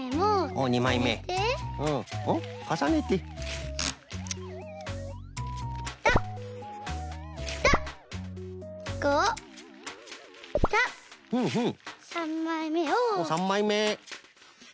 おっ３まいめ。